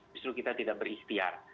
justru kita tidak beristiar